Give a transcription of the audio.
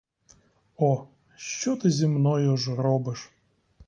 О, що ти зі мною ж робиш!